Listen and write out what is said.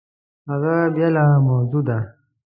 هغه بېله موضوع ده!